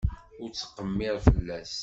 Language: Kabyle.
Ur ttqemmir fell-as.